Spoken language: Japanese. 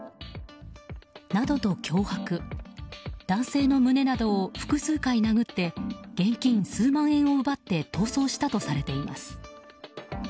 男性の胸などを複数回殴って現金数万円を奪って逃走したとされています。